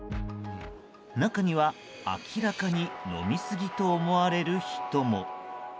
中には明らかに飲みすぎと思われる人も。